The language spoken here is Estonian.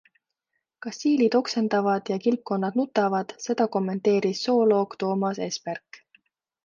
Kas siilid oksendavad ja kilpkonnad nutavad, seda kommenteeris zooloog Toomas Esperk.